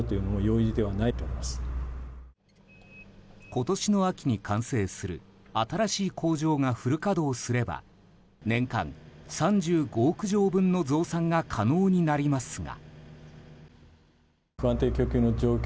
今年の秋に完成する新しい工場がフル稼働すれば年間３５億錠分の増産が可能になりますが。